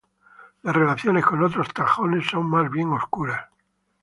Las relaciones con otros taxones son más bien oscuras.